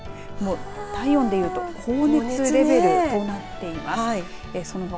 体温でいうと高熱レベルとなっています。